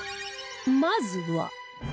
まずは